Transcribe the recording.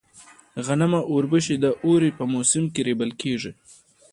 غنم او اوربشې د اوړي په موسم کې رېبل کيږي.